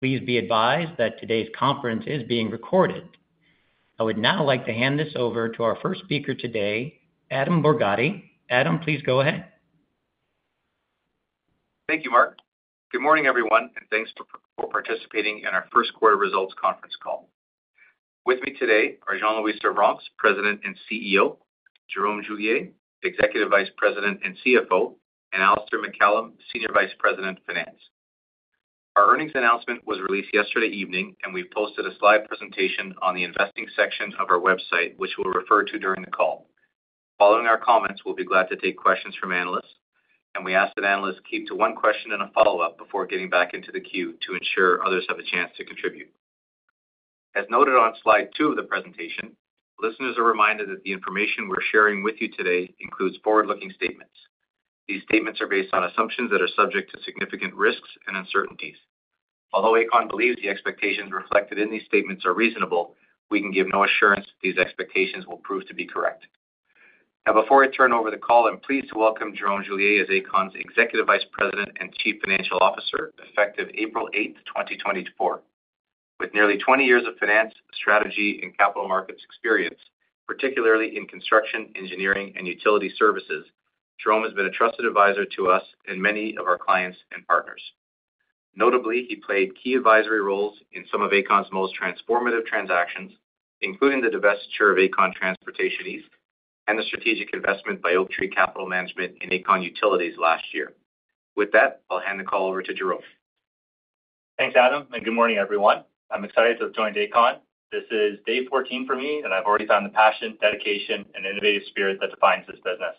Please be advised that today's conference is being recorded. I would now like to hand this over to our first speaker today, Adam Borgatti. Adam, please go ahead. Thank you, Mark. Good morning, everyone, and thanks for participating in our first quarter results conference call. With me today are Jean-Louis Servranckx, President and CEO, Jerome Julier, Executive Vice President and CFO, and Alistair MacCallum, Senior Vice President, Finance. Our earnings announcement was released yesterday evening, and we've posted a slide presentation on the investing section of our website which we'll refer to during the call. Following our comments, we'll be glad to take questions from analysts, and we ask that analysts keep to one question and a follow-up before getting back into the queue to ensure others have a chance to contribute. As noted on slide 2 of the presentation, listeners are reminded that the information we're sharing with you today includes forward-looking statements. These statements are based on assumptions that are subject to significant risks and uncertainties. Although Aecon believes the expectations reflected in these statements are reasonable, we can give no assurance that these expectations will prove to be correct. Now, before I turn over the call, I'm pleased to welcome Jerome Julier as Aecon's Executive Vice President and Chief Financial Officer, effective April 8, 2024. With nearly 20 years of finance, strategy, and capital markets experience, particularly in construction, engineering, and utility services, Jerome has been a trusted advisor to us and many of our clients and partners. Notably, he played key advisory roles in some of Aecon's most transformative transactions, including the divestiture of Aecon Transportation East and the strategic investment by Oaktree Capital Management in Aecon Utilities last year. With that, I'll hand the call over to Jerome. Thanks, Adam, and good morning, everyone. I'm excited to have joined Aecon. This is day 14 for me, and I've already found the passion, dedication, and innovative spirit that defines this business.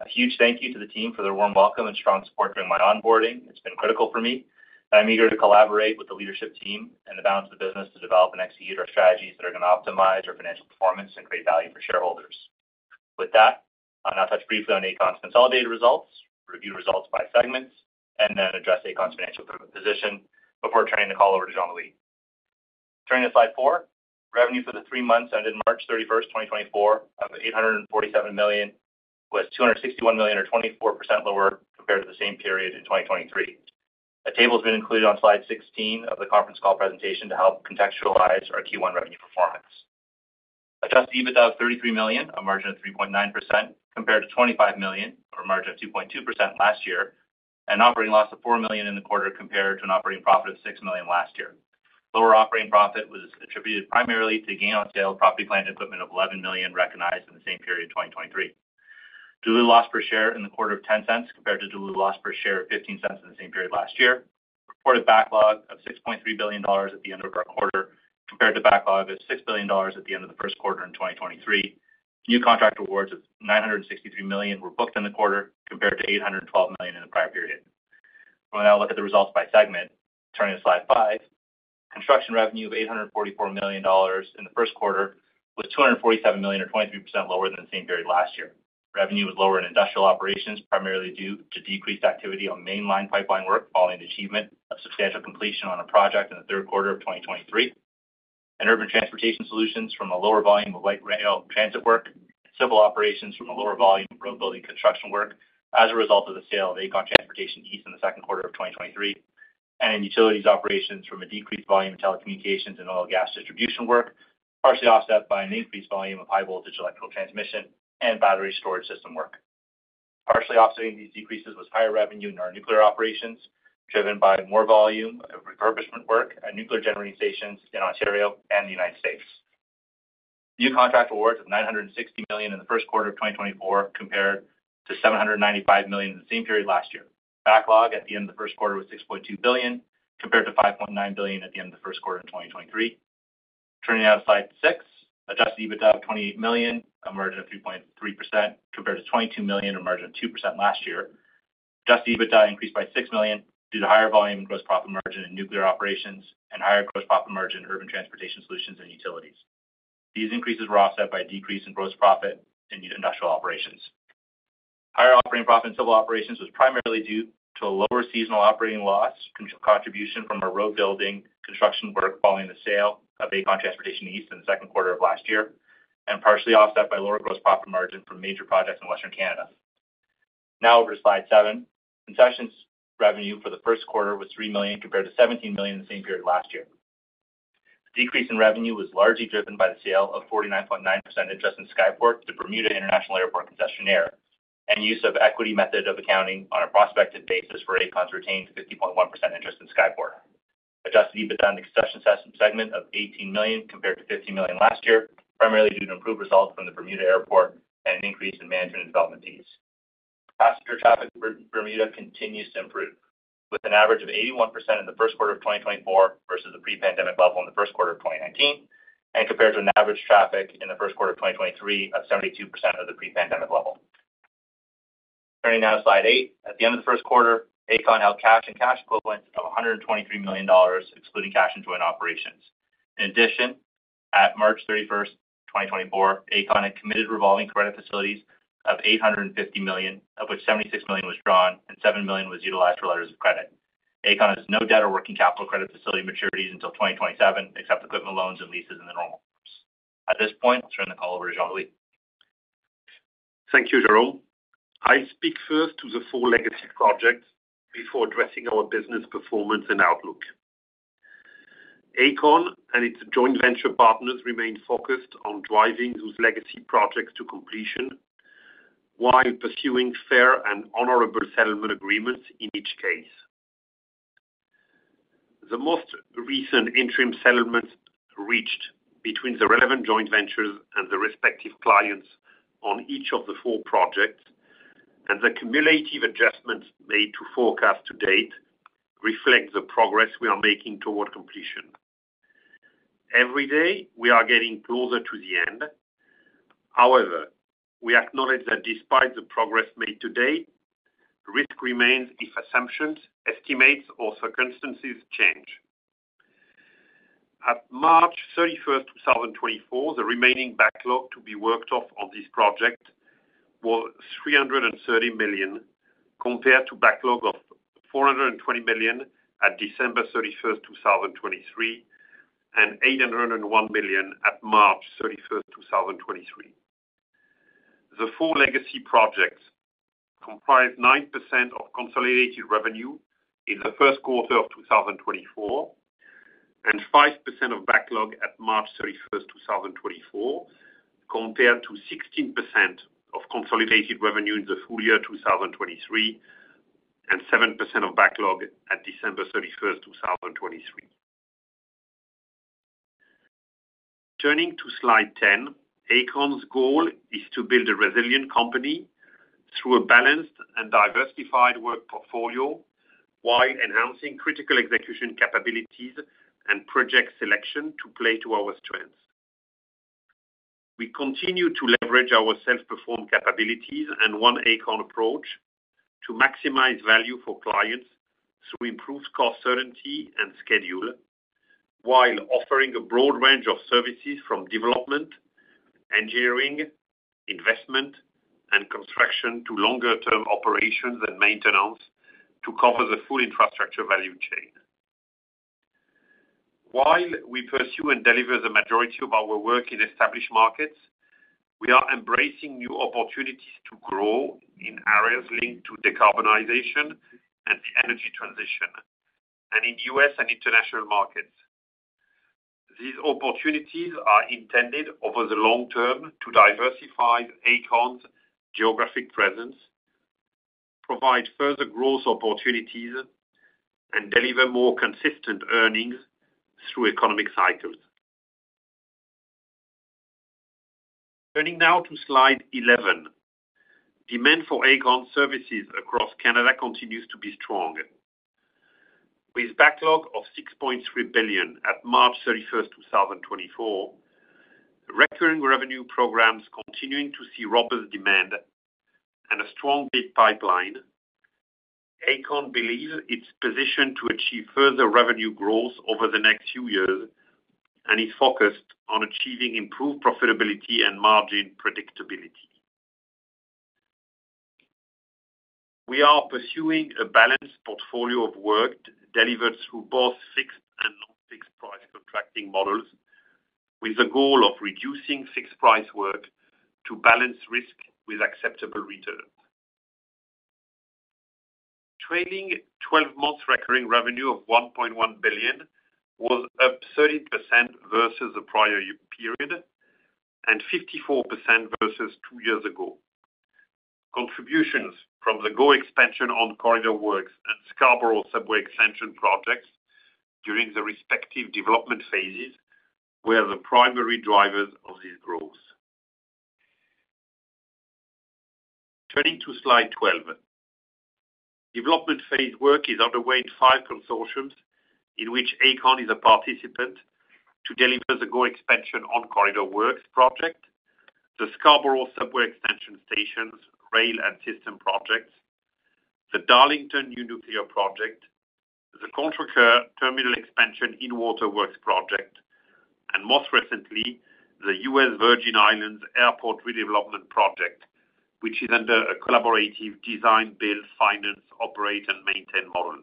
A huge thank you to the team for their warm welcome and strong support during my onboarding. It's been critical for me, and I'm eager to collaborate with the leadership team and the balance of the business to develop and execute our strategies that are going to optimize our financial performance and create value for shareholders. With that, I'll now touch briefly on Aecon's consolidated results, review results by segments, and then address Aecon's financial position before turning the call over to Jean-Louis. Turning to slide 4, revenue for the three months ended March 31, 2024, of 847 million was 261 million or 24% lower compared to the same period in 2023. A table has been included on slide 16 of the conference call presentation to help contextualize our Q1 revenue performance. Adjusted EBITDA of 33 million, a margin of 3.9% compared to 25 million or a margin of 2.2% last year, and an operating loss of 4 million in the quarter compared to an operating profit of 6 million last year. Lower operating profit was attributed primarily to gain on sale of property, plant, and equipment of 11 million recognized in the same period in 2023. Diluted loss per share in the quarter of 0.10 compared to diluted loss per share of 0.15 in the same period last year. Reported backlog of 6.3 billion dollars at the end of our quarter compared to backlog of 6 billion dollars at the end of the first quarter in 2023. New contract awards of 963 million were booked in the quarter compared to 812 million in the prior period. We'll now look at the results by segment. Turning to slide 5, construction revenue of 844 million dollars in the first quarter was 247 million or 23% lower than the same period last year. Revenue was lower in industrial operations, primarily due to decreased activity on mainline pipeline work following the achievement of substantial completion on a project in the third quarter of 2023. In Urban Transportation Solutions from a lower volume of light rail transit work. In Civil operations from a lower volume of road building construction work as a result of the sale of Aecon Transportation East in the second quarter of 2023. In utilities operations from a decreased volume of telecommunications and oil and gas distribution work, partially offset by an increased volume of high voltage electrical transmission and battery storage system work. Partially offsetting these decreases was higher revenue in our nuclear operations, driven by more volume of refurbishment work at nuclear generating stations in Ontario and the United States. New contract awards of 960 million in the first quarter of 2024 compared to 795 million in the same period last year. Backlog at the end of the first quarter was 6.2 billion compared to 5.9 billion at the end of the first quarter in 2023. Turning to slide 6, Adjusted EBITDA of 28 million, a margin of 3.3% compared to 22 million or a margin of 2% last year. Adjusted EBITDA increased by 6 million due to higher volume and gross profit margin in nuclear operations and higher gross profit margin in Urban Transportation Solutions and utilities. These increases were offset by a decrease in gross profit in industrial operations. Higher operating profit in civil operations was primarily due to a lower seasonal operating loss contribution from our road building construction work following the sale of Aecon Transportation East in the second quarter of last year, and partially offset by lower gross profit margin from major projects in Western Canada. Now over to slide 7, concessions revenue for the first quarter was 3 million compared to 17 million in the same period last year. Decrease in revenue was largely driven by the sale of 49.9% interest in Skyport to Bermuda International Airport concessionaire and use of equity method of accounting on a prospective basis for Aecon's retained 50.1% interest in Skyport. Adjusted EBITDA on the concession segment of 18 million compared to 15 million last year, primarily due to improved results from the Bermuda Airport and an increase in management and development fees. Passenger traffic Bermuda continues to improve, with an average of 81% in the first quarter of 2024 versus the pre-pandemic level in the first quarter of 2019, and compared to an average traffic in the first quarter of 2023 of 72% of the pre-pandemic level. Turning now to slide 8, at the end of the first quarter, Aecon held cash and cash equivalents of 123 million dollars, excluding cash and joint operations. In addition, at March 31, 2024, Aecon had committed revolving credit facilities of 850 million, of which 76 million was drawn and 7 million was utilized for letters of credit. Aecon has no debt or working capital credit facility maturities until 2027, except equipment loans and leases in the normal course. At this point, I'll turn the call over to Jean-Louis. Thank you, Jerome. I'll speak first to the four legacy projects before addressing our business performance and outlook. Aecon and its joint venture partners remain focused on driving those legacy projects to completion while pursuing fair and honorable settlement agreements in each case. The most recent interim settlements reached between the relevant joint ventures and the respective clients on each of the four projects, and the cumulative adjustments made to forecast to date reflect the progress we are making toward completion. Every day, we are getting closer to the end. However, we acknowledge that despite the progress made to date, risk remains if assumptions, estimates, or circumstances change. At March 31, 2024, the remaining backlog to be worked off on this project was 330 million compared to backlog of 420 million at December 31, 2023, and 801 million at March 31, 2023. The four legacy projects comprise 9% of consolidated revenue in the first quarter of 2024 and 5% of backlog at March 31, 2024, compared to 16% of consolidated revenue in the full year 2023 and 7% of backlog at December 31, 2023. Turning to slide 10, Aecon's goal is to build a resilient company through a balanced and diversified work portfolio while enhancing critical execution capabilities and project selection to play to our strengths. We continue to leverage our self-perform capabilities and One Aecon approach to maximize value for clients through improved cost certainty and schedule, while offering a broad range of services from development, engineering, investment, and construction to longer-term operations and maintenance to cover the full infrastructure value chain. While we pursue and deliver the majority of our work in established markets, we are embracing new opportunities to grow in areas linked to decarbonization and the energy transition, and in U.S. and international markets. These opportunities are intended over the long term to diversify Aecon's geographic presence, provide further growth opportunities, and deliver more consistent earnings through economic cycles. Turning now to slide 11, demand for Aecon services across Canada continues to be strong. With backlog of 6.3 billion at March 31, 2024, recurring revenue programs continuing to see robust demand and a strong bid pipeline, Aecon believes it's positioned to achieve further revenue growth over the next few years and is focused on achieving improved profitability and margin predictability. We are pursuing a balanced portfolio of work delivered through both fixed and non-fixed price contracting models, with the goal of reducing fixed price work to balance risk with acceptable returns. Trailing 12 months' recurring revenue of 1.1 billion was up 30% versus the prior period and 54% versus two years ago. Contributions from the GO Expansion On-Corridor Works and Scarborough Subway Extension projects during the respective development phases were the primary drivers of this growth. Turning to slide 12, development phase work is underway in 5 consortiums in which Aecon is a participant to deliver the GO Expansion On-Corridor Works project, the Scarborough Subway Extension stations rail and systems projects, the Darlington New Nuclear Project, the Contrecœur Terminal Expansion in-water works project, and most recently, the U.S. Virgin Islands Airports Redevelopment, which is under a collaborative design-build-finance-operate-and-maintain model.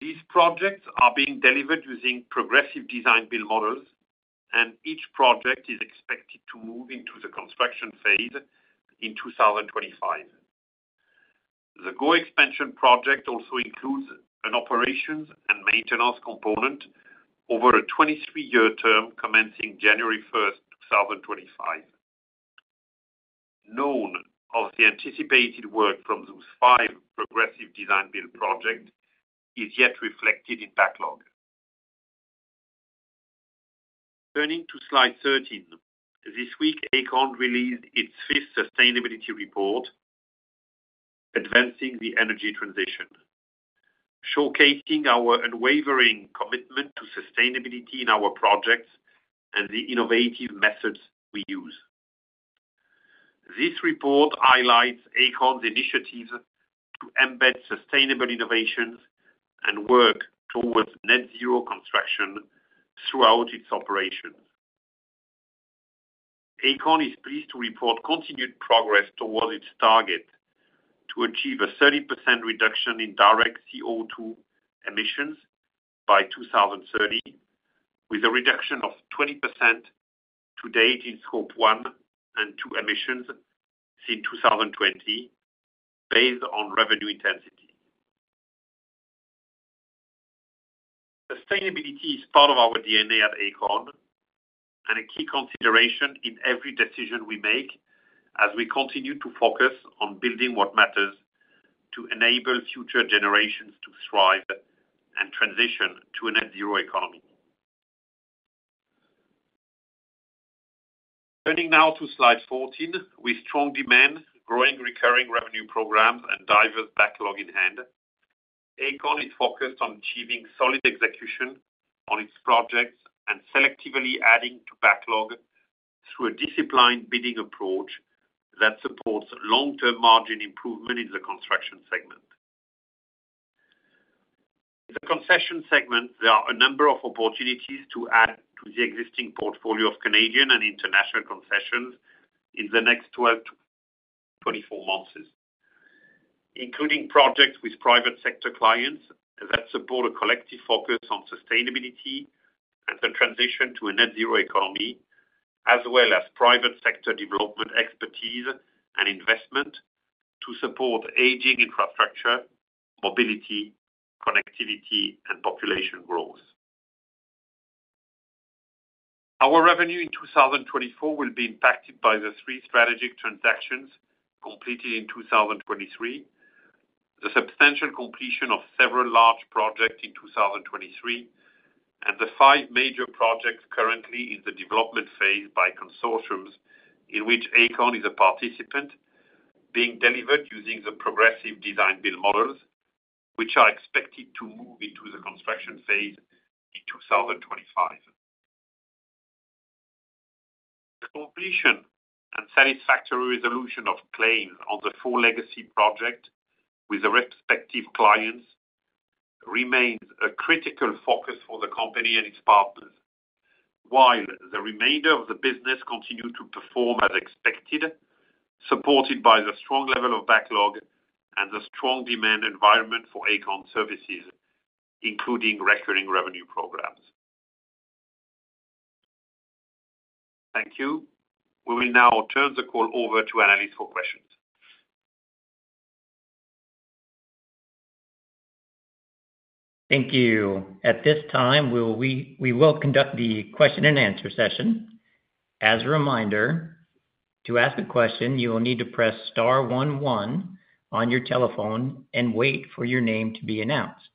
These projects are being delivered using progressive design-build models, and each project is expected to move into the construction phase in 2025. The GO Expansion project also includes an operations and maintenance component over a 23-year term commencing January 1, 2025. None of the anticipated work from those five progressive design-build projects is yet reflected in backlog. Turning to slide 13, this week Aecon released its fifth sustainability report, Advancing the Energy Transition, showcasing our unwavering commitment to sustainability in our projects and the innovative methods we use. This report highlights Aecon's initiatives to embed sustainable innovations and work towards net-zero construction throughout its operations. Aecon is pleased to report continued progress towards its target to achieve a 30% reduction in direct CO2 emissions by 2030, with a reduction of 20% to date in Scope 1 and 2 emissions since 2020, based on revenue intensity. Sustainability is part of our DNA at Aecon and a key consideration in every decision we make as we continue to focus on building what matters to enable future generations to thrive and transition to a net-zero economy. Turning now to slide 14, with strong demand, growing recurring revenue programs, and diverse backlog in hand, Aecon is focused on achieving solid execution on its projects and selectively adding to backlog through a disciplined bidding approach that supports long-term margin improvement in the construction segment. In the concession segment, there are a number of opportunities to add to the existing portfolio of Canadian and international concessions in the next 12-24 months, including projects with private sector clients that support a collective focus on sustainability and the transition to a net-zero economy, as well as private sector development expertise and investment to support aging infrastructure, mobility, connectivity, and population growth. Our revenue in 2024 will be impacted by the three strategic transactions completed in 2023, the substantial completion of several large projects in 2023, and the five major projects currently in the development phase by consortiums in which Aecon is a participant being delivered using the progressive design-build models, which are expected to move into the construction phase in 2025. Completion and satisfactory resolution of claims on the four legacy projects with the respective clients remains a critical focus for the company and its partners, while the remainder of the business continues to perform as expected, supported by the strong level of backlog and the strong demand environment for Aecon services, including recurring revenue programs. Thank you. We will now turn the call over to Anneliese for questions. Thank you. At this time, we will conduct the question-and-answer session. As a reminder, to ask a question, you will need to press star 11 on your telephone and wait for your name to be announced.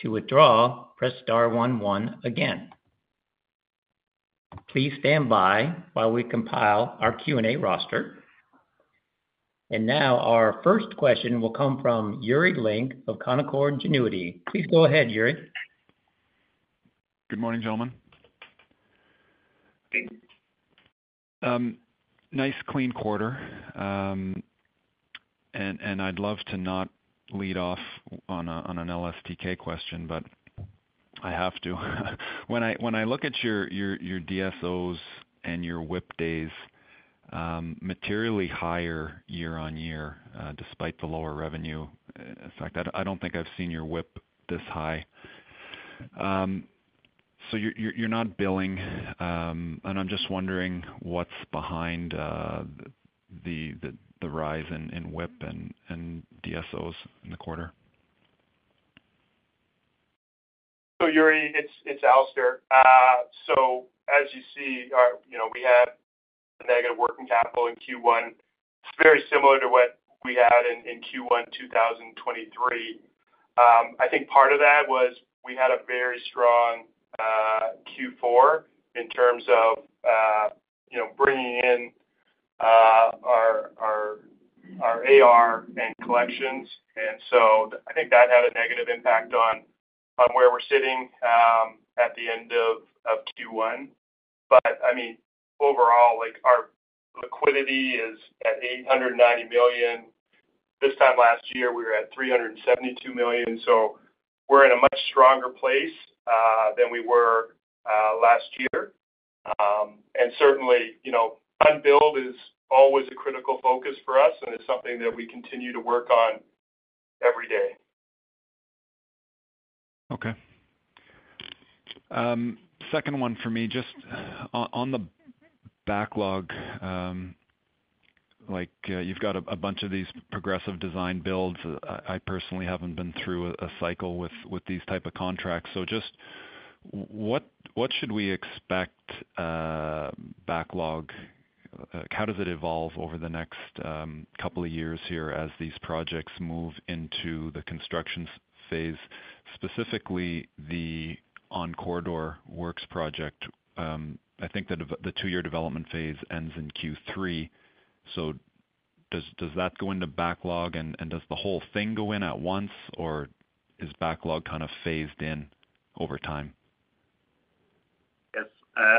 To withdraw, press star one one again. Please stand by while we compile our Q&A roster. Now our first question will come from Yuri Lynk of Canaccord Genuity. Please go ahead, Yuri. Good morning, gentlemen. Nice, clean quarter. I'd love to not lead off on an LSTK question, but I have to. When I look at your DSOs and your WIP days, materially higher year-over-year despite the lower revenue. In fact, I don't think I've seen your WIP this high. You're not billing, and I'm just wondering what's behind the rise in WIP and DSOs in the quarter. So Yuri, it's Alistair. So as you see, we had negative working capital in Q1. It's very similar to what we had in Q1 2023. I think part of that was we had a very strong Q4 in terms of bringing in our AR and collections. And so I think that had a negative impact on where we're sitting at the end of Q1. But I mean, overall, our liquidity is at 890 million. This time last year, we were at 372 million. So we're in a much stronger place than we were last year. And certainly, unbilled is always a critical focus for us, and it's something that we continue to work on every day. Okay. Second one for me. Just on the backlog, you've got a bunch of these progressive design builds. I personally haven't been through a cycle with these type of contracts. So just what should we expect backlog? How does it evolve over the next couple of years here as these projects move into the construction phase, specifically the On-Corridor Works project? I think that the two-year development phase ends in Q3. So does that go into backlog, and does the whole thing go in at once, or is backlog kind of phased in over time? Yes.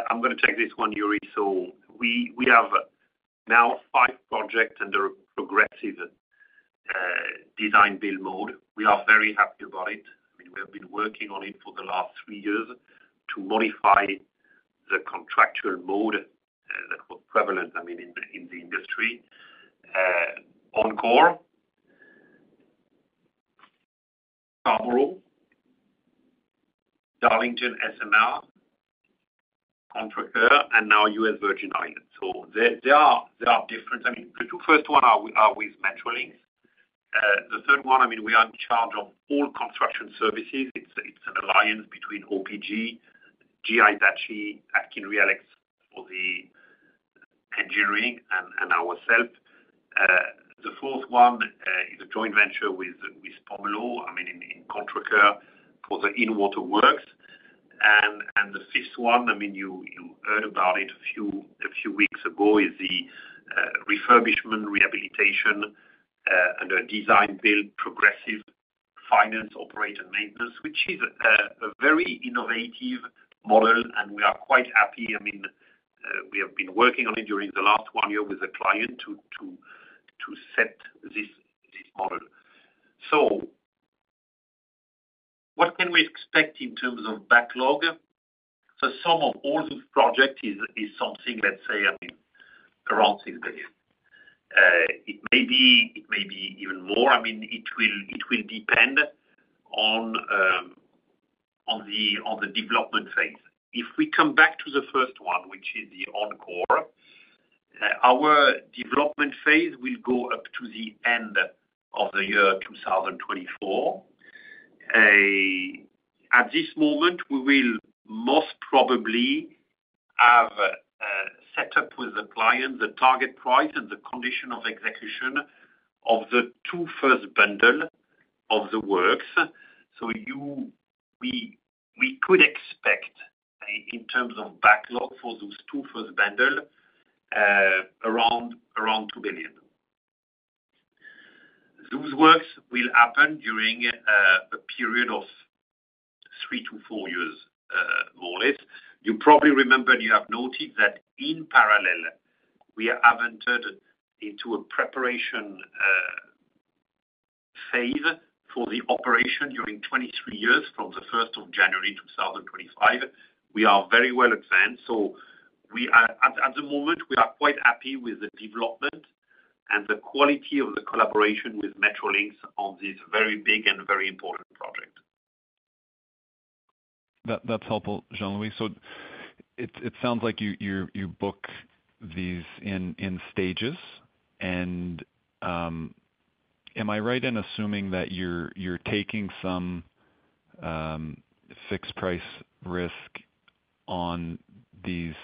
I'm going to take this one, Yuri. So we have now five projects under progressive design-build mode. We are very happy about it. I mean, we have been working on it for the last three years to modify the contractual mode that was prevalent, I mean, in the industry: Eglinton, Scarborough, Darlington SMR, Contrecœur, and now U.S. Virgin Islands. So there are different I mean, the two first one are with Metrolinx. The third one, I mean, we are in charge of all construction services. It's an alliance between OPG, GE Hitachi, AtkinsRéalis for the engineering, and ourselves. The fourth one is a joint venture with Pomerleau, I mean, in Contrecœur for the in-water works. The fifth one, I mean, you heard about it a few weeks ago, is the refurbishment rehabilitation under design-build progressive finance, operate, and maintenance, which is a very innovative model, and we are quite happy. I mean, we have been working on it during the last one year with the client to set this model. So what can we expect in terms of backlog? So sum of all those projects is something, let's say, I mean, around 6 billion. It may be even more. I mean, it will depend on the development phase. If we come back to the first one, which is the OnCorr, our development phase will go up to the end of the year 2024. At this moment, we will most probably have set up with the client the target price and the condition of execution of the two first bundle of the works. So we could expect, in terms of backlog for those two first bundle, around CAD 2 billion. Those works will happen during a period of 3-4 years, more or less. You probably remember and you have noticed that in parallel, we have entered into a preparation phase for the operation during 23 years from the 1st of January 2025. We are very well advanced. So at the moment, we are quite happy with the development and the quality of the collaboration with Metrolinx on this very big and very important project. That's helpful, Jean-Louis. It sounds like you book these in stages. Am I right in assuming that you're taking some fixed-price risk on these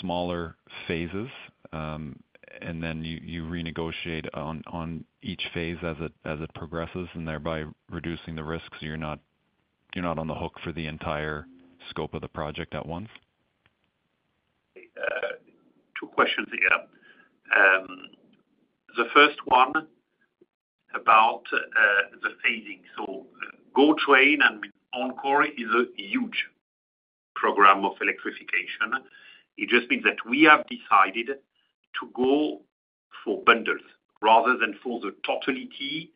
smaller phases, and then you renegotiate on each phase as it progresses, and thereby reducing the risk so you're not on the hook for the entire scope of the project at once? Two questions here. The first one about the phasing. So GO Expansion and OnCorr is a huge program of electrification. It just means that we have decided to go for bundles rather than for the totality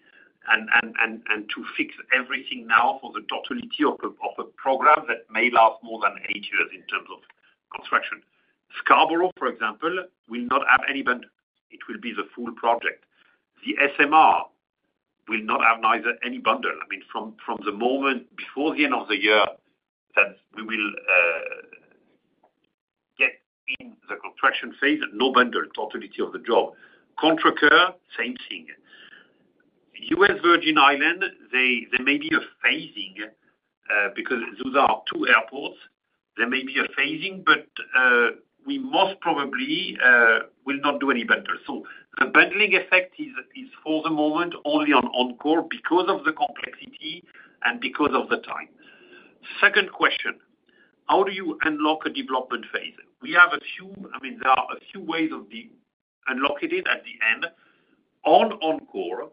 and to fix everything now for the totality of a program that may last more than eight years in terms of construction. Scarborough, for example, will not have any bundle. It will be the full project. The SMR will not have neither any bundle. I mean, from the moment before the end of the year that we will get in the construction phase, no bundle, totality of the job. Contrecœur, same thing. U.S. Virgin Islands, there may be a phasing because those are two airports. There may be a phasing, but we most probably will not do any bundles. So the bundling effect is for the moment only on OnCorr because of the complexity and because of the time. Second question, how do you unlock a development phase? We have a few I mean, there are a few ways of unlocking it at the end. On OnCorr,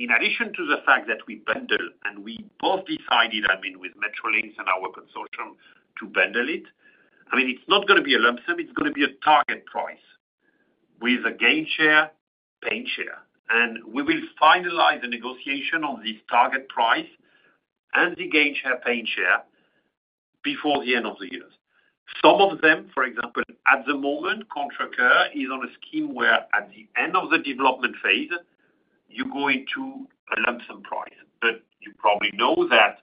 in addition to the fact that we bundle and we both decided, I mean, with Metrolinx and our consortium to bundle it, I mean, it's not going to be a lump sum. It's going to be a target price with a gain share, pain share. And we will finalize the negotiation on this target price and the gain share, pain share before the end of the years. Some of them, for example, at the moment, Contrecœur is on a scheme where at the end of the development phase, you go into a lump sum price. But you probably know that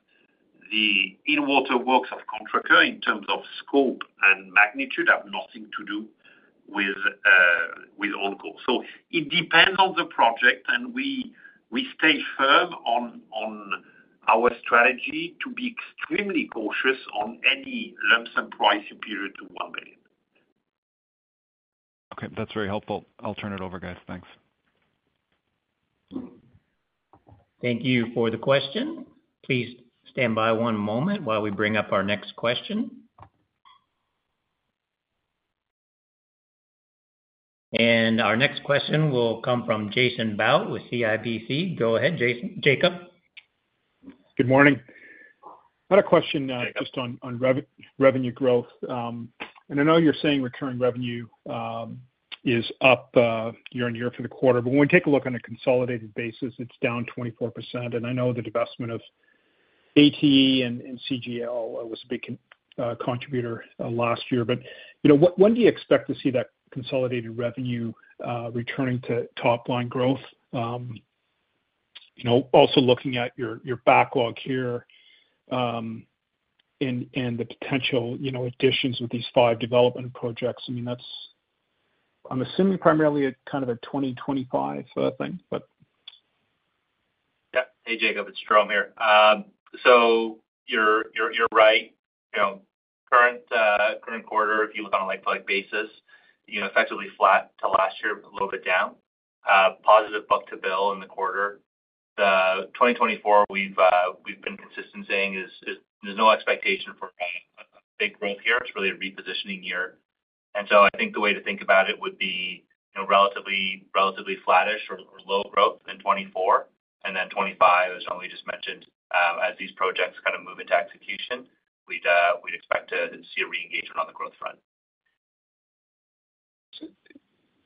the in-water works of Contrecœur, in terms of scope and magnitude, have nothing to do with OnCorr. So it depends on the project, and we stay firm on our strategy to be extremely cautious on any Lump Sum price superior to 1 billion. Okay. That's very helpful. I'll turn it over, guys. Thanks. Thank you for the question. Please stand by one moment while we bring up our next question. Our next question will come from Jacob Bout with CIBC. Go ahead, Jacob. Good morning. I had a question just on revenue growth. I know you're saying recurring revenue is up year-over-year for the quarter, but when we take a look on a consolidated basis, it's down 24%. And I know the investment of ATE and CGL was a big contributor last year. But when do you expect to see that consolidated revenue returning to top-line growth? Also looking at your backlog here and the potential additions with these five development projects, I mean, that's I'm assuming primarily kind of a 2025 thing, but. Yeah. Hey, Jacob. It's Jerome here. So you're right. Current quarter, if you look on a like-to-like basis, effectively flat to last year, a little bit down. Positive book-to-bill in the quarter. The 2024, we've been consistent saying there's no expectation for big growth here. It's really a repositioning year. And so I think the way to think about it would be relatively flattish or low growth in 2024. And then 2025, as Jean-Louis just mentioned, as these projects kind of move into execution, we'd expect to see a reengagement on the growth front. It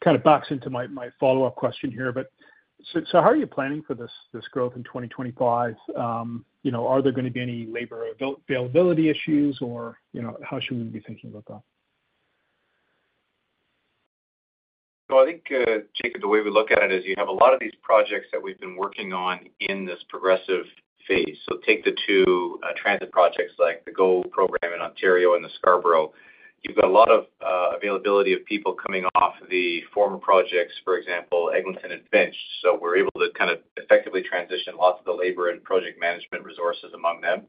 kind of ties into my follow-up question here, but so how are you planning for this growth in 2025? Are there going to be any labor availability issues, or how should we be thinking about that? So I think, Jacob, the way we look at it is you have a lot of these projects that we've been working on in this progressive phase. So take the two transit projects like the GO Expansion program in Ontario and the Scarborough. You've got a lot of availability of people coming off the former projects, for example, Eglinton and Finch. So we're able to kind of effectively transition lots of the labor and project management resources among them.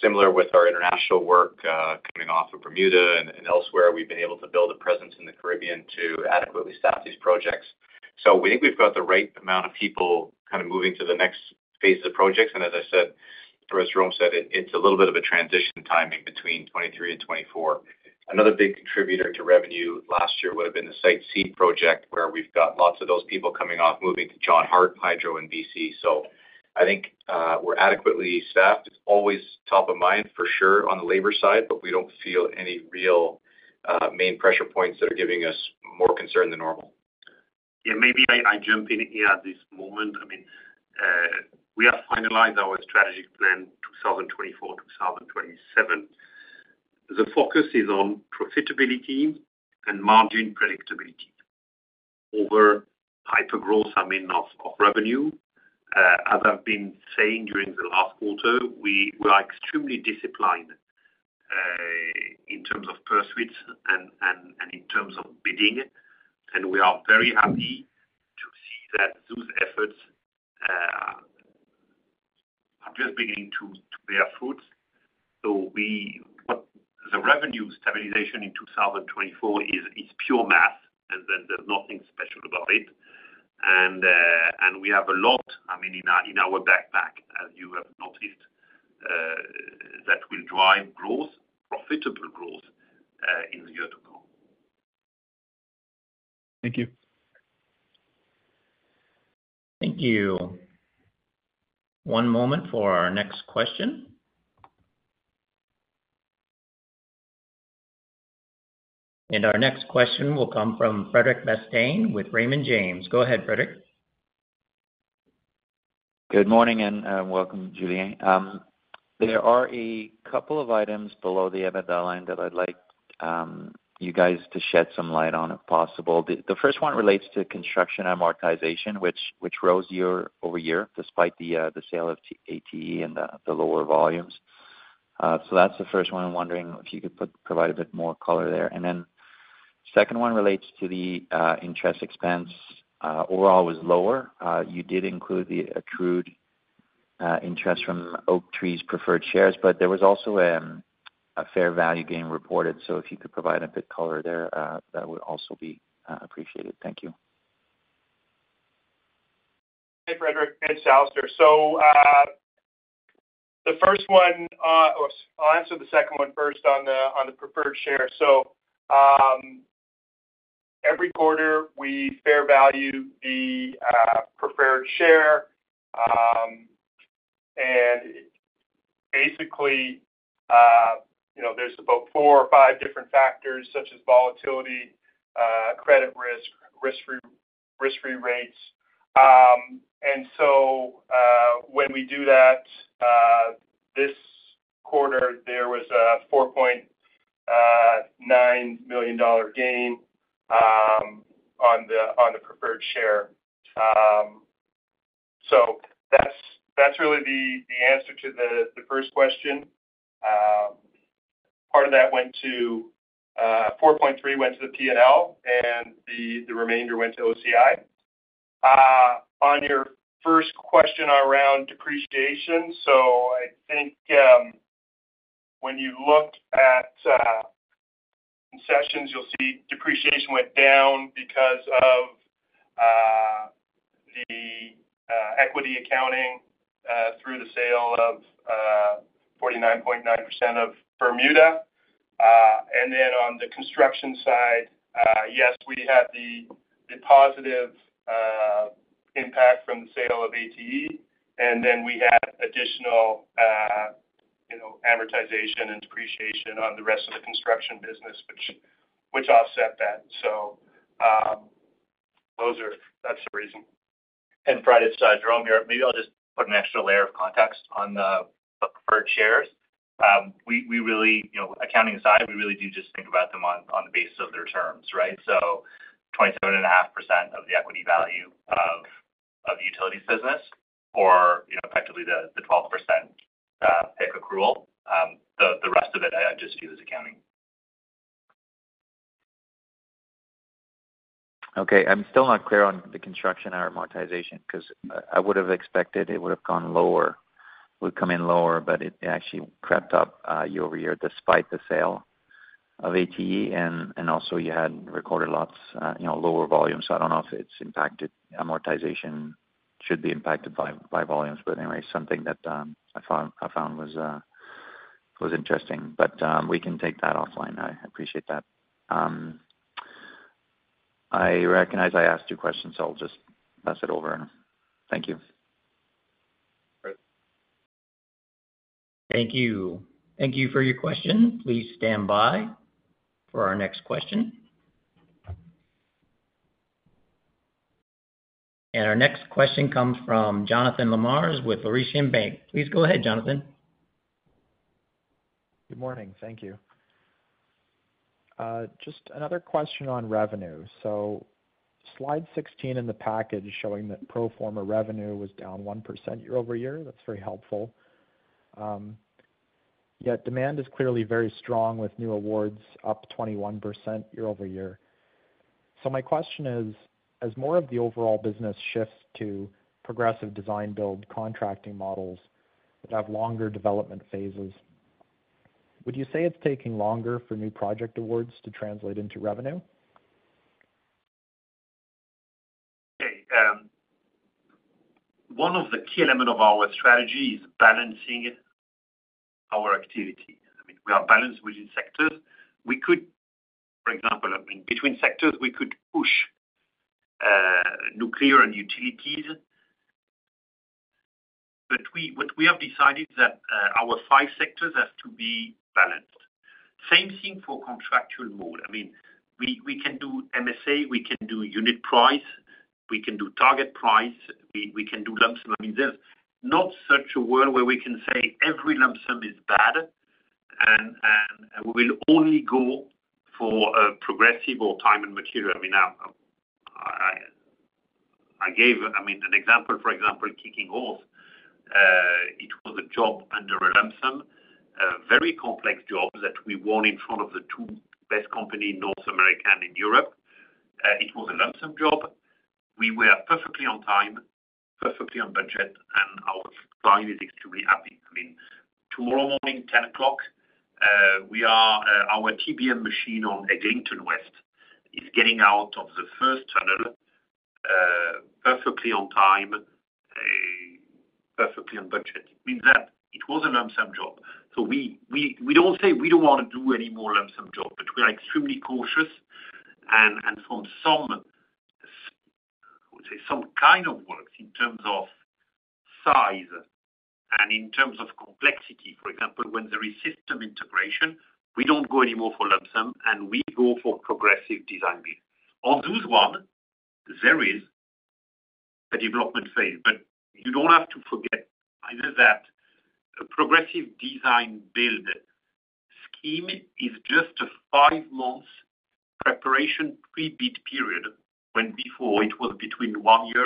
Similar with our international work coming off of Bermuda and elsewhere, we've been able to build a presence in the Caribbean to adequately staff these projects. So we think we've got the right amount of people kind of moving to the next phase of the projects. And as I said, or as Jerome said, it's a little bit of a transition timing between 2023 and 2024. Another big contributor to revenue last year would have been the Site C project where we've got lots of those people coming off moving to John Hart Hydro in BC. I think we're adequately staffed. It's always top of mind, for sure, on the labor side, but we don't feel any real main pressure points that are giving us more concern than normal. Yeah. Maybe I jump in here at this moment. I mean, we have finalized our strategic plan 2024-2027. The focus is on profitability and margin predictability over hypergrowth, I mean, of revenue. As I've been saying during the last quarter, we are extremely disciplined in terms of pursuits and in terms of bidding. And we are very happy to see that those efforts are just beginning to bear fruit. So the revenue stabilization in 2024 is pure math, and then there's nothing special about it. And we have a lot, I mean, in our backpack, as you have noticed, that will drive growth, profitable growth, in the year to come. Thank you. Thank you. One moment for our next question. Our next question will come from Frederic Bastien with Raymond James. Go ahead, Frederic. Good morning and welcome, Jerome. There are a couple of items below the EBITDA line that I'd like you guys to shed some light on, if possible. The first one relates to construction amortization, which rose year-over-year despite the sale of ATE and the lower volumes. So that's the first one. I'm wondering if you could provide a bit more color there. Then the second one relates to the interest expense. Overall, it was lower. You did include the accrued interest from Oaktree's preferred shares, but there was also a fair value gain reported. So if you could provide a bit more color there, that would also be appreciated. Thank you. Hey, Frederic. It's Alistair. So the first one I'll answer the second one first on the preferred share. So every quarter, we fair value the preferred share. And basically, there's about four or five different factors such as volatility, credit risk, risk-free rates. And so when we do that, this quarter, there was a CAD 4.9 million gain on the preferred share. So that's really the answer to the first question. Part of that went to 4.3 million went to the P&L, and the remainder went to OCI. On your first question around depreciation, so I think when you look at concessions, you'll see depreciation went down because of the equity accounting through the sale of 49.9% of Bermuda. And then on the construction side, yes, we had the positive impact from the sale of ATE, and then we had additional amortization and depreciation on the rest of the construction business, which offset that. So that's the reason. Frederic's side, Jerome here, maybe I'll just put an extra layer of context on the preferred shares. Accounting aside, we really do just think about them on the basis of their terms, right? So 27.5% of the equity value of the utilities business or effectively the 12% PIK accrual. The rest of it, I just view as accounting. Okay. I'm still not clear on the construction amortization because I would have expected it would have gone lower. It would come in lower, but it actually crept up year-over-year despite the sale of ATE. And also, you had recorded lots lower volumes. So I don't know if it's impacted; amortization should be impacted by volumes, but anyway, something that I found was interesting. But we can take that offline. I appreciate that. I recognize I asked two questions, so I'll just pass it over. Thank you. Thank you. Thank you for your question. Please stand by for our next question. Our next question comes from Jonathan Lamers with Laurentian Bank. Please go ahead, Jonathan. Good morning. Thank you. Just another question on revenue. So slide 16 in the package showing that pro forma revenue was down 1% year-over-year. That's very helpful. Yet demand is clearly very strong with new awards up 21% year-over-year. So my question is, as more of the overall business shifts to Progressive Design-Build contracting models that have longer development phases, would you say it's taking longer for new project awards to translate into revenue? Okay. One of the key elements of our strategy is balancing our activity. I mean, we are balanced within sectors. For example, between sectors, we could push nuclear and utilities. But what we have decided is that our five sectors have to be balanced. Same thing for contractual mode. I mean, we can do MSA. We can do unit price. We can do target price. We can do lump sum. I mean, there's not such a world where we can say every lump sum is bad, and we will only go for progressive or time and material. I mean, I gave an example. For example, Kicking Horse, it was a job under a lump sum, very complex job that we won in front of the two best companies, North American and Europe. It was a lump sum job. We were perfectly on time, perfectly on budget, and our client is extremely happy. I mean, tomorrow morning, 10:00 A.M., our TBM machine on Eglinton West is getting out of the first tunnel perfectly on time, perfectly on budget. It means that it was a lump sum job. So we don't say we don't want to do any more lump sum job, but we are extremely cautious. And from some, I would say, some kind of works in terms of size and in terms of complexity, for example, when there is system integration, we don't go anymore for lump sum, and we go for progressive design-build. On those ones, there is a development phase. But you don't have to forget either that a progressive design-build scheme is just a five-month preparation pre-bid period when before it was between one year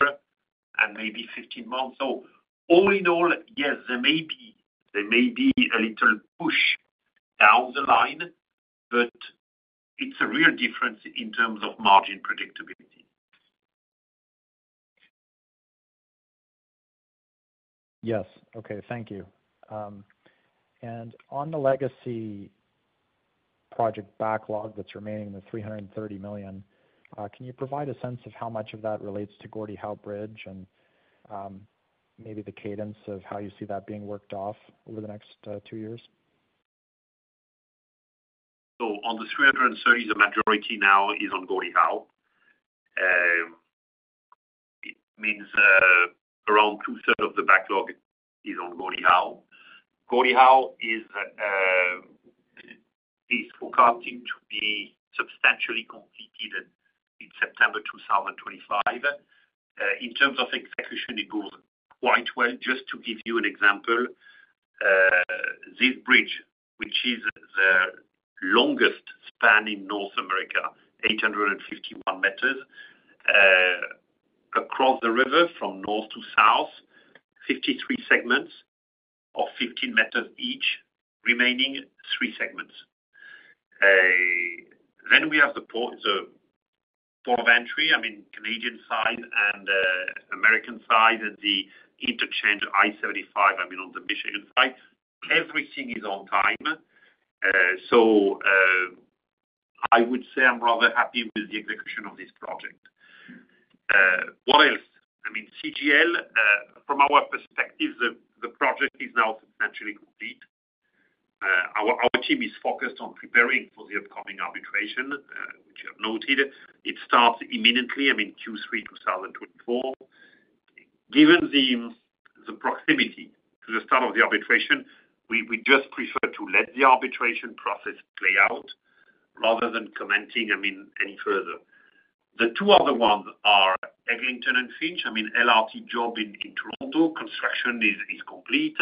and maybe 15 months. All in all, yes, there may be a little push down the line, but it's a real difference in terms of margin predictability. Yes. Okay. Thank you. On the legacy project backlog that's remaining in the 330 million, can you provide a sense of how much of that relates to Gordie Howe Bridge and maybe the cadence of how you see that being worked off over the next two years? So on the 330, the majority now is on Gordie Howe. It means around two-thirds of the backlog is on Gordie Howe. Gordie Howe is forecasting to be substantially completed in September 2025. In terms of execution, it moves quite well. Just to give you an example, this bridge, which is the longest span in North America, 851 meters across the river from north to south, 53 segments of 15 meters each, remaining 3 segments. Then we have the port of entry, I mean, Canadian side and American side and the interchange I-75, I mean, on the Michigan side. Everything is on time. So I would say I'm rather happy with the execution of this project. What else? I mean, CGL, from our perspective, the project is now substantially complete. Our team is focused on preparing for the upcoming arbitration, which you have noted. It starts imminently, I mean, Q3 2024. Given the proximity to the start of the arbitration, we just prefer to let the arbitration process play out rather than commenting, I mean, any further. The two other ones are Eglinton and Finch. I mean, LRT job in Toronto, construction is complete.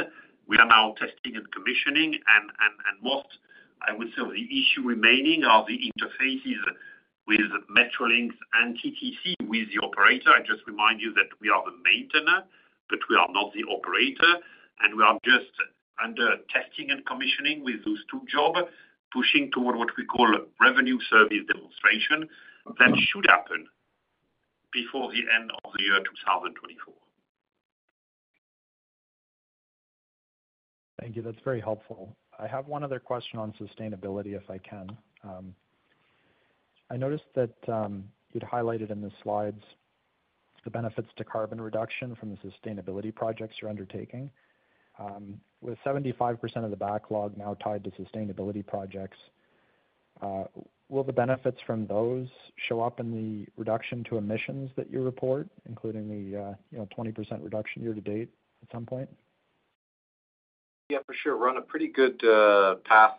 We are now testing and commissioning. And most, I would say, of the issue remaining are the interfaces with Metrolinx and TTC with the operator. I just remind you that we are the maintainer, but we are not the operator. And we are just under testing and commissioning with those two jobs, pushing toward what we call a revenue service demonstration that should happen before the end of the year 2024. Thank you. That's very helpful. I have one other question on sustainability, if I can. I noticed that you'd highlighted in the slides the benefits to carbon reduction from the sustainability projects you're undertaking. With 75% of the backlog now tied to sustainability projects, will the benefits from those show up in the reduction to emissions that you report, including the 20% reduction year to date at some point? Yeah, for sure. We're on a pretty good path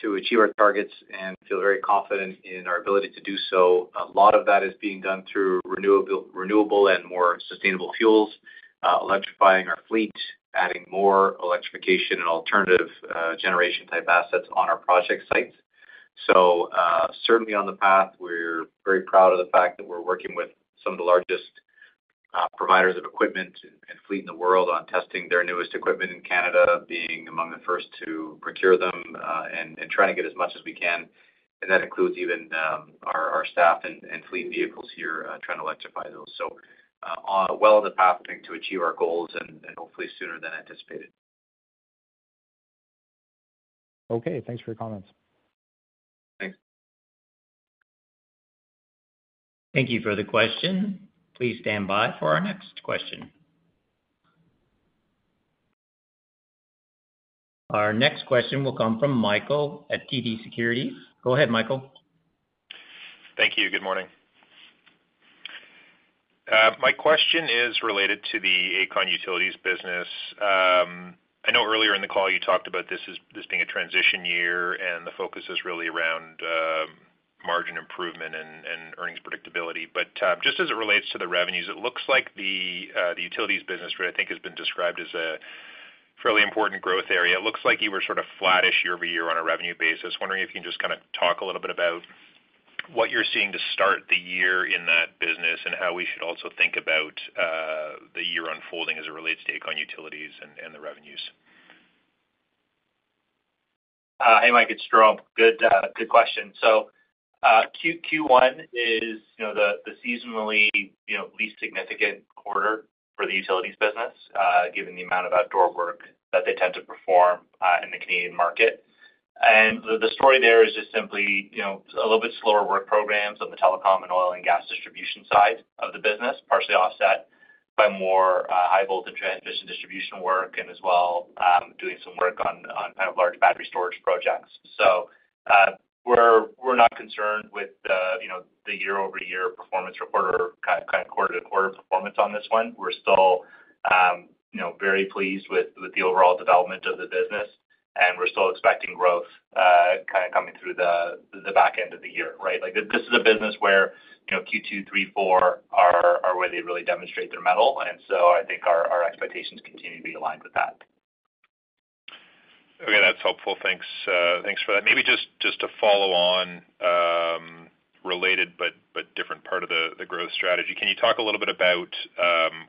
to achieve our targets and feel very confident in our ability to do so. A lot of that is being done through renewable and more sustainable fuels, electrifying our fleet, adding more electrification and alternative generation-type assets on our project sites. So certainly, on the path, we're very proud of the fact that we're working with some of the largest providers of equipment and fleet in the world on testing their newest equipment in Canada, being among the first to procure them and trying to get as much as we can. And that includes even our staff and fleet vehicles here trying to electrify those. So, we're well on the path, I think, to achieve our goals and hopefully sooner than anticipated. Okay. Thanks for your comments. Thanks. Thank you for the question. Please stand by for our next question. Our next question will come from Michael at TD Securities. Go ahead, Michael. Thank you. Good morning. My question is related to the Aecon utilities business. I know earlier in the call, you talked about this being a transition year, and the focus is really around margin improvement and earnings predictability. But just as it relates to the revenues, it looks like the utilities business, which I think has been described as a fairly important growth area, it looks like you were sort of flattish year over year on a revenue basis. Wondering if you can just kind of talk a little bit about what you're seeing to start the year in that business and how we should also think about the year unfolding as it relates to Aecon utilities and the revenues. Hey, Michael. It's Jerome. Good question. So Q1 is the seasonally least significant quarter for the utilities business given the amount of outdoor work that they tend to perform in the Canadian market. And the story there is just simply a little bit slower work programs on the telecom and oil and gas distribution side of the business, partially offset by more high-voltage transmission distribution work and as well doing some work on kind of large battery storage projects. So we're not concerned with the year-over-year performance report or kind of quarter-to-quarter performance on this one. We're still very pleased with the overall development of the business, and we're still expecting growth kind of coming through the back end of the year, right? This is a business where Q2, Q3, Q4 are where they really demonstrate their metal. And so I think our expectations continue to be aligned with that. Okay. That's helpful. Thanks for that. Maybe just to follow on related but different part of the growth strategy, can you talk a little bit about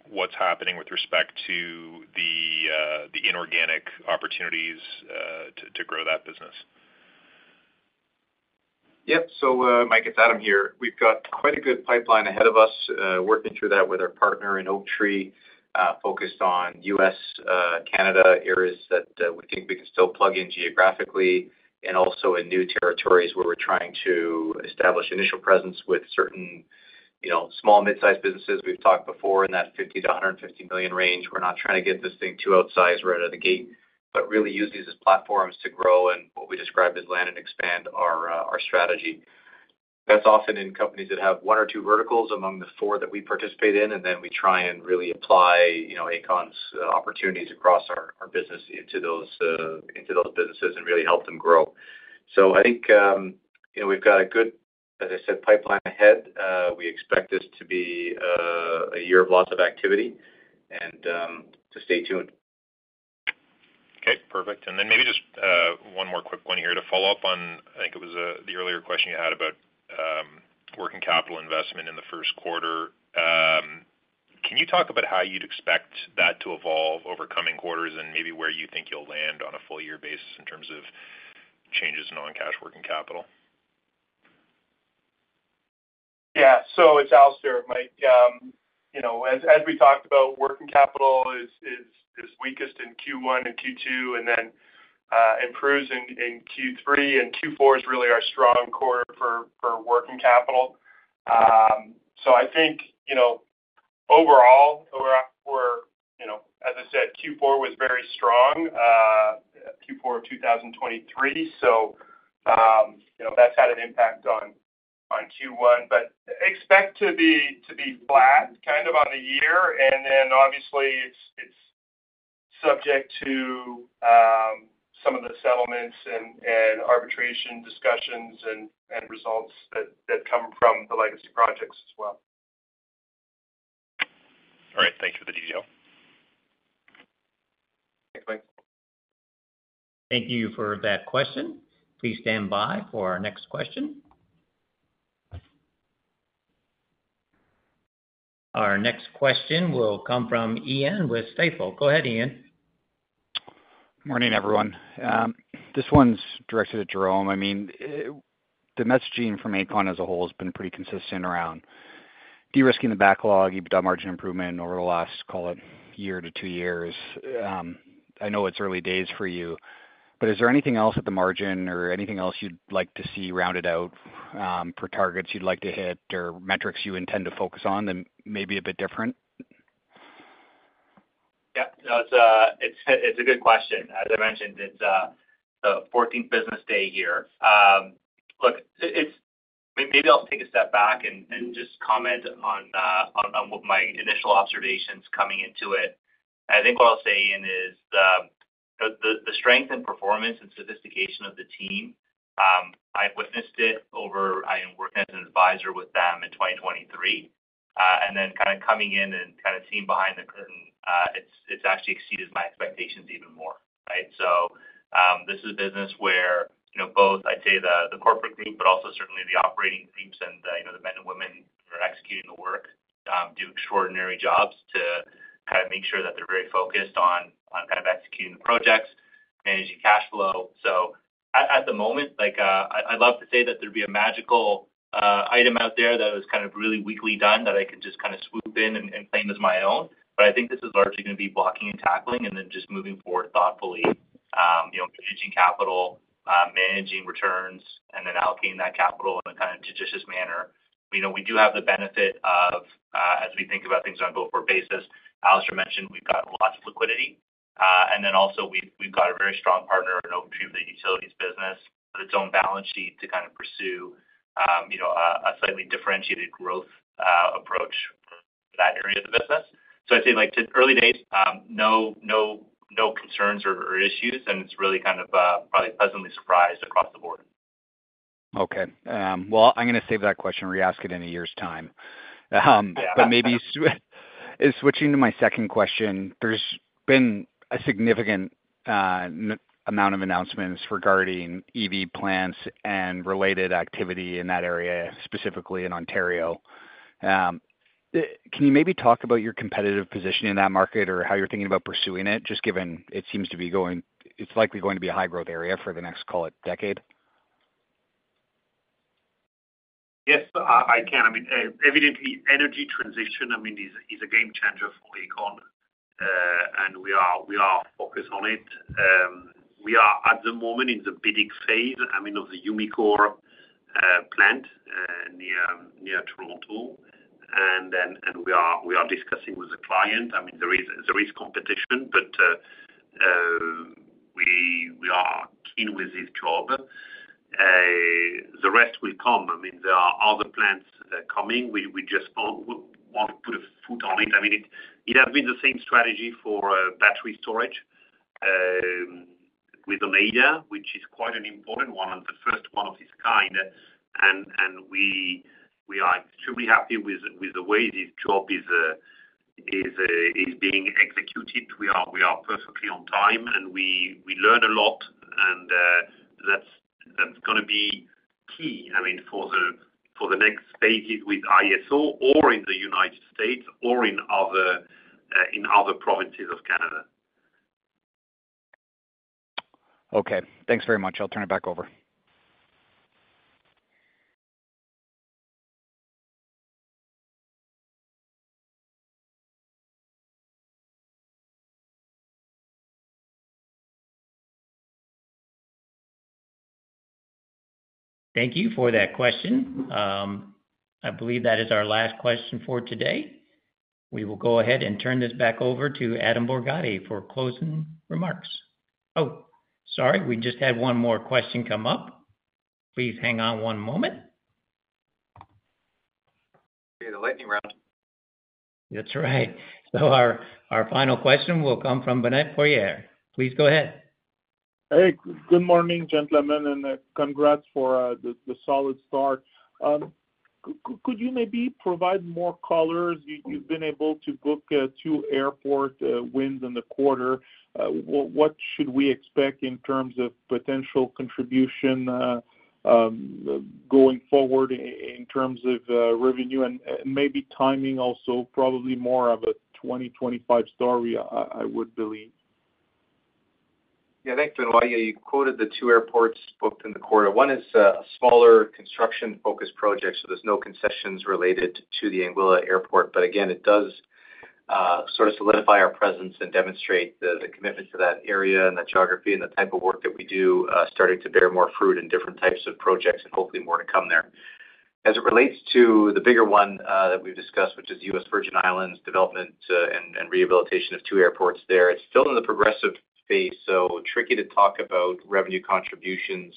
what's happening with respect to the inorganic opportunities to grow that business? Yep. So Mike, it's Adam here. We've got quite a good pipeline ahead of us, working through that with our partner in Oaktree focused on U.S.-Canada areas that we think we can still plug in geographically and also in new territories where we're trying to establish initial presence with certain small and midsize businesses. We've talked before in that 50 million-150 million range. We're not trying to get this thing too outsized right out of the gate but really use these as platforms to grow and what we describe as land and expand our strategy. That's often in companies that have one or two verticals among the four that we participate in, and then we try and really apply Aecon's opportunities across our business into those businesses and really help them grow. So I think we've got a good, as I said, pipeline ahead. We expect this to be a year of lots of activity, and so stay tuned. Okay. Perfect. And then maybe just one more quick one here to follow up on. I think it was the earlier question you had about working capital investment in the first quarter. Can you talk about how you'd expect that to evolve over coming quarters and maybe where you think you'll land on a full-year basis in terms of changes in non-cash working capital? Yeah. So it's Alistair, Mike. As we talked about, working capital is weakest in Q1 and Q2 and then improves in Q3. And Q4 is really our strong quarter for working capital. So I think overall, as I said, Q4 was very strong, Q4 of 2023. So that's had an impact on Q1. But expect to be flat kind of on the year. And then obviously, it's subject to some of the settlements and arbitration discussions and results that come from the legacy projects as well. All right. Thanks for the detail. Thanks, Mike. Thank you for that question. Please stand by for our next question. Our next question will come from Ian with Stifel. Go ahead, Ian. Morning, everyone. This one's directed at Jerome. I mean, the messaging from Aecon as a whole has been pretty consistent around de-risking the backlog, EBITDA margin improvement over the last, call it, year to two years. I know it's early days for you, but is there anything else at the margin or anything else you'd like to see rounded out for targets you'd like to hit or metrics you intend to focus on that may be a bit different? Yeah. No, it's a good question. As I mentioned, it's the 14th business day here. Look, maybe I'll take a step back and just comment on what my initial observations coming into it. I think what I'll say, Ian, is the strength and performance and sophistication of the team. I've witnessed it over. I worked as an advisor with them in 2023. And then kind of coming in and kind of seeing behind the curtain, it's actually exceeded my expectations even more, right? So this is business where both, I'd say, the corporate group but also certainly the operating groups and the men and women who are executing the work do extraordinary jobs to kind of make sure that they're very focused on kind of executing the projects, managing cash flow. So at the moment, I'd love to say that there'd be a magical item out there that was kind of really well done that I can just kind of swoop in and claim as my own. But I think this is largely going to be blocking and tackling and then just moving forward thoughtfully, managing capital, managing returns, and then allocating that capital in a kind of judicious manner. We do have the benefit of, as we think about things on a go-forward basis, Alistair mentioned we've got lots of liquidity. And then also, we've got a very strong partner in Oaktree with the utilities business with its own balance sheet to kind of pursue a slightly differentiated growth approach for that area of the business. So I'd say early days, no concerns or issues. And it's really kind of probably pleasantly surprised across the board. Okay. Well, I'm going to save that question. Reask it in a year's time. But maybe switching to my second question, there's been a significant amount of announcements regarding EV plants and related activity in that area, specifically in Ontario. Can you maybe talk about your competitive position in that market or how you're thinking about pursuing it, just given it seems to be going it's likely going to be a high-growth area for the next, call it, decade? Yes, I can. I mean, evidently, energy transition, I mean, is a game changer for Aecon. We are focused on it. We are, at the moment, in the bidding phase, I mean, of the Umicore plant near Toronto. We are discussing with the client. I mean, there is competition, but we are keen with this job. The rest will come. I mean, there are other plants coming. We just want to put a foot on it. I mean, it has been the same strategy for battery storage with Oneida, which is quite an important one, the first one of its kind. We are extremely happy with the way this job is being executed. We are perfectly on time, and we learn a lot. That's going to be key, I mean, for the next phases with IESO or in the United States or in other provinces of Canada. Okay. Thanks very much. I'll turn it back over. Thank you for that question. I believe that is our last question for today. We will go ahead and turn this back over to Adam Borgatti for closing remarks. Oh, sorry. We just had one more question come up. Please hang on one moment. Okay. The lightning round. That's right. So our final question will come from Benoit Poirier. Please go ahead. Hey. Good morning, gentlemen, and congrats for the solid start. Could you maybe provide more color? You've been able to book two airport wins in the quarter. What should we expect in terms of potential contribution going forward in terms of revenue and maybe timing also, probably more of a 2025 story, I would believe? Yeah. Thanks, Benoit. Yeah, you quoted the two airports booked in the quarter. One is a smaller construction-focused project, so there's no concessions related to the Anguilla Airport. But again, it does sort of solidify our presence and demonstrate the commitment to that area and that geography and the type of work that we do starting to bear more fruit in different types of projects and hopefully more to come there. As it relates to the bigger one that we've discussed, which is U.S. Virgin Islands' development and rehabilitation of two airports there, it's still in the progressive phase, so tricky to talk about revenue contributions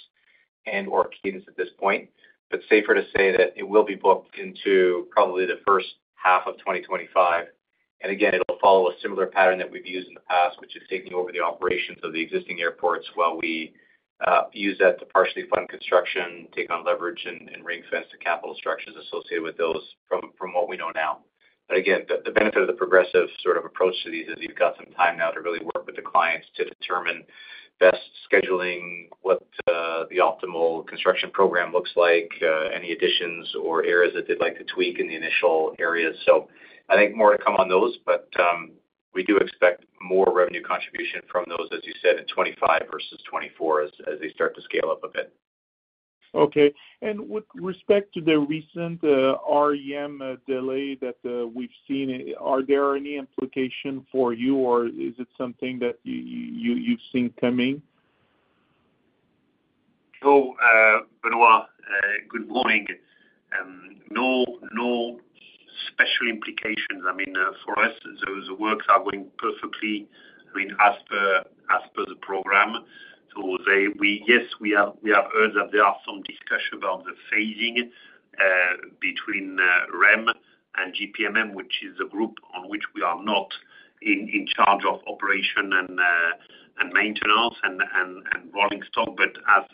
and/or cadence at this point. But safer to say that it will be booked into probably the first half of 2025. Again, it'll follow a similar pattern that we've used in the past, which is taking over the operations of the existing airports while we use that to partially fund construction, take on leverage, and ring fence the capital structures associated with those from what we know now. Again, the benefit of the progressive sort of approach to these is you've got some time now to really work with the clients to determine best scheduling, what the optimal construction program looks like, any additions or areas that they'd like to tweak in the initial areas. I think more to come on those, but we do expect more revenue contribution from those, as you said, in 2025 versus 2024 as they start to scale up a bit. Okay. With respect to the recent REM delay that we've seen, are there any implication for you, or is it something that you've seen coming? Hello, Benoit. Good morning. No special implications. I mean, for us, the works are going perfectly, I mean, as per the program. So yes, we have heard that there are some discussions about the phasing between REM and PMM, which is the group on which we are not in charge of operation and maintenance and rolling stock. But as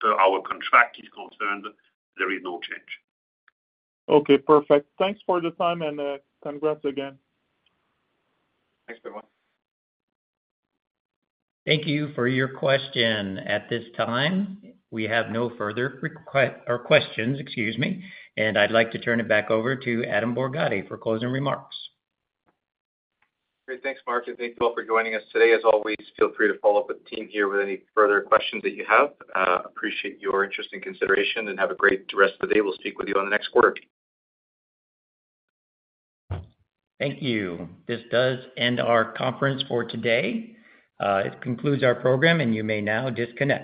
far as our contract is concerned, there is no change. Okay. Perfect. Thanks for the time, and congrats again. Thanks, Benoit. Thank you for your question. At this time, we have no further questions, excuse me. I'd like to turn it back over to Adam Borgatti for closing remarks. Great. Thanks, Mark. Thank you all for joining us today. As always, feel free to follow up with the team here with any further questions that you have. Appreciate your interest and consideration, and have a great rest of the day. We'll speak with you on the next quarter. Thank you. This does end our conference for today. It concludes our program, and you may now disconnect.